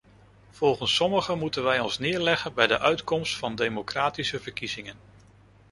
Volgens sommigen moeten wij ons neerleggen bij de uitkomst van democratische verkiezingen.